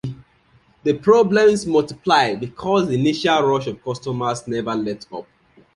The problems multiplied, because the initial rush of customers never let up.